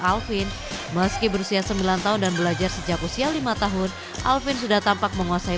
alvin meski berusia sembilan tahun dan belajar sejak usia lima tahun alvin sudah tampak menguasai